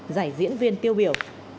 giải diễn viên tiêu biểu